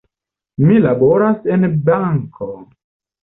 Mi laboras en banko.